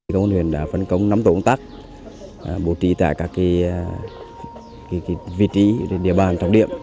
công an huyện đã phân công năm tổ ổn tắc bổ trị tại các vị trí địa bàn trọng điểm